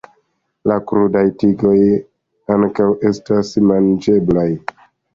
La krudaj tigoj ankaŭ estas manĝeblaj.